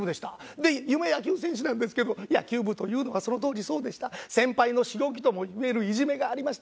で夢は野球選手なんですけど野球部というのはその当時そうでした先輩のしごきともいえるいじめがありました。